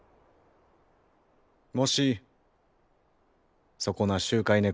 もしそこな集会猫。